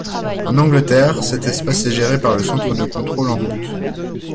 En Angleterre, cet espace est géré par le centre de contrôle en route.